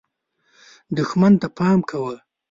دښمن ته پام کوه .